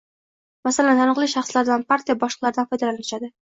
masalan, taniqli shaxslardan, partiya boshliqlaridan foydalanishadi.